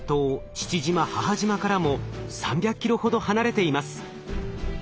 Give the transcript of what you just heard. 父島母島からも３００ｋｍほど離れています。